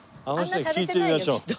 あの人に聞いてみましょう。